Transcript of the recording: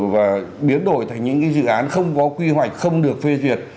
và biến đổi thành những dự án không có quy hoạch không được phê duyệt